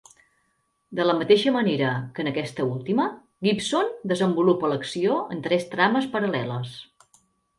De la mateixa manera que en aquesta última, Gibson desenvolupa l'acció en tres trames paral·leles.